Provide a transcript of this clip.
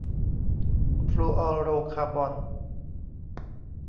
ฟลูออโรคาร์บอน